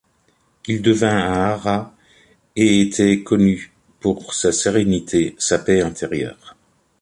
Il devint un arhat, et était connu pour sa sérénité, sa paix intérieure.